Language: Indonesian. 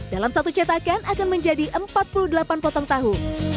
dalam satu cetakan akan menjadi empat puluh delapan potong tahu